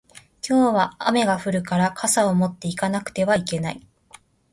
今日は雨が降るから傘を持って行かなくてはいけない